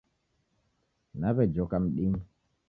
Nawejoka mdinyi